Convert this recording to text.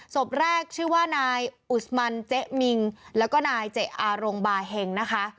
ศพแรกชื่อว่านายอุศมันเจ๊มิงแล้วก็นายเจ๊อารงบาเฮงนะคะ